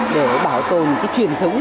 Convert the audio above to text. để bảo tồn cái truyền thống